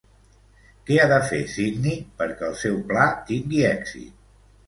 Què ha de fer Sidney perquè el seu pla tingui èxit?